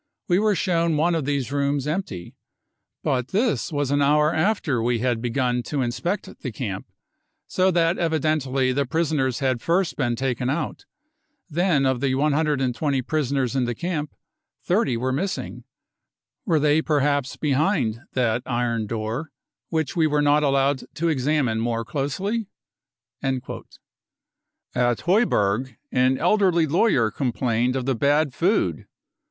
We were shown one of these rooms empty. But this was an hour after we had begun to inspect the camp, so that evidently the prisoners had first been taken out. Then of the 120 prisoners in the camp 30 were missing. Were they per haps behind that iron door, which we were not allowed to examine more closely ? 55 At Heuberg an elderly lawyer complained of the bad food.